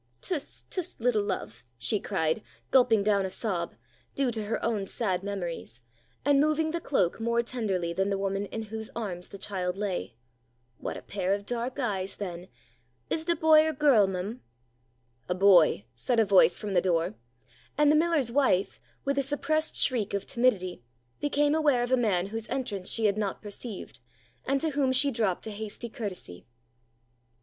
"Tst! tst! little love!" she cried, gulping down a sob, due to her own sad memories, and moving the cloak more tenderly than the woman in whose arms the child lay. "What a pair of dark eyes, then! Is't a boy or girl, m'm?" "A boy," said a voice from the door, and the miller's wife, with a suppressed shriek of timidity, became aware of a man whose entrance she had not perceived, and to whom she dropped a hasty courtesy.